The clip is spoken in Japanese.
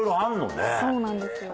そうなんですよ。